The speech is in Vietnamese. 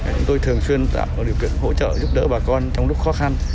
chúng tôi thường xuyên tạo điều kiện hỗ trợ giúp đỡ bà con trong lúc khó khăn